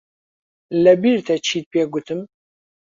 لەبیرتە چیت پێ گوتم؟